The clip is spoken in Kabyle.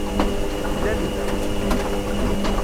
Llan da.